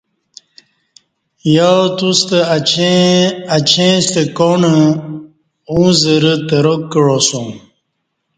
یا توستہ اچیں ستہ کاݨ اوں زرہ تراک کعاسوم